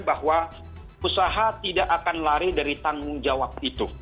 bahwa usaha tidak akan lari dari tanggung jawab itu